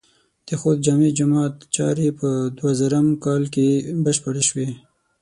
د خوست د جامع جماعت چارې په دوهزرم م کال کې بشپړې شوې.